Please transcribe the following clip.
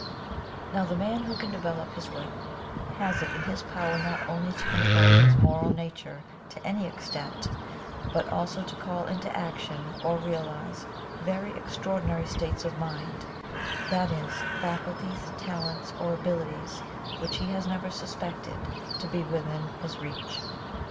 Now the man who can develope his will, has it in his power not only to control his moral nature to any extent, but also to call into action or realize very extraordinary states of mind, that is, faculties, talents or abilities which he has never suspected to be within his reach.